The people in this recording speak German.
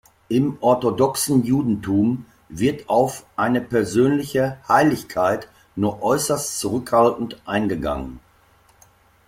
Im orthodoxen Judentum wird auf eine persönliche Heiligkeit nur äußerst zurückhaltend eingegangen.